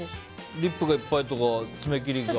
リップがいっぱいとか爪切りがとか。